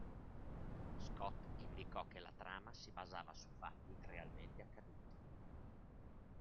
Scott indicò che la trama si basava su fatti realmente accaduti.